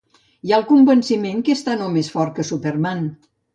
Hi ha el convenciment que és tant o més fort que Superman.